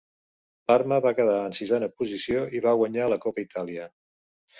Parma va quedar en sisena posició i va guanyar la "Coppa Italia".